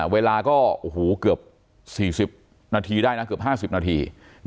เวลาก็เกือบ๔๐นาทีได้นะเกือบ๕๐นาที